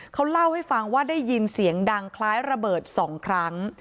เขาเล่าให้ฟังว่าได้ยินเสียงดังคล้ายระเบิด๒ครั้ง